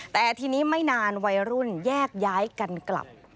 แต่ทีนี้ไม่นานวัยรุ่นแยกย้ายกันกลับ